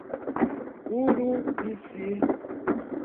Urubici